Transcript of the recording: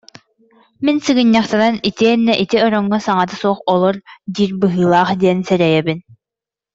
Мин «сыгынньахтанан, итиэннэ ити ороҥҥо саҥата суох олор» диир быһыылаах диэн сэрэйэбин